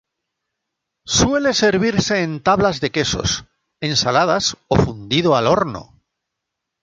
Suele servirse en tablas de quesos, ensaladas o fundido al horno.